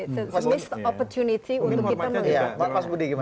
sebelumnya kesempatan untuk kita melihat